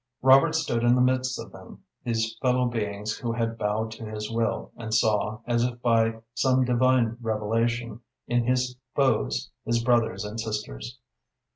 Robert stood in the midst of them, these fellow beings who had bowed to his will, and saw, as if by some divine revelation, in his foes his brothers and sisters.